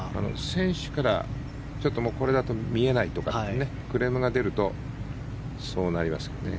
選手からこれだとちょっと見えないとかクレームが出るとそうなりますね。